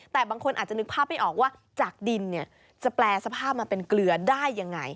แต่บางคนอาจจะนึกภาพไม่ออกว่าจากดินเนี่ยจะแปลสภาพมาเป็นเกลือได้ยังไง